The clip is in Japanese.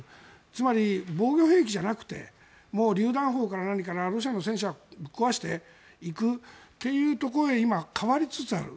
つまり、防御兵器じゃなくてりゅう弾砲から何かロシアの戦車を壊していくというようなところへ今、変わりつつある。